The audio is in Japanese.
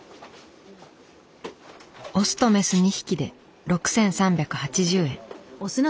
オスとメス２匹で６，３８０円。